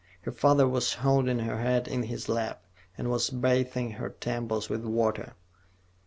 Her father was holding her head in his lap, and was bathing her temples with water.